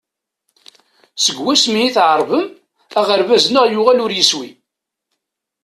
Seg wasmi i t-ɛerben, aɣerbaz-nneɣ yuɣal ur yeswi.